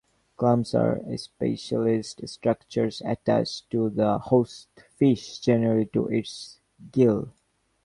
Clamps are specialized structures attached to the host fish, generally to its gill.